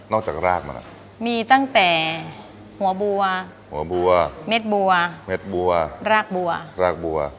จากรากมาแล้วมีตั้งแต่หัวบัวหัวบัวเม็ดบัวเม็ดบัวรากบัวรากบัว